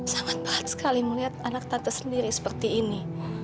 sangat pahat sekali melihat anak tante sendiri seperti ini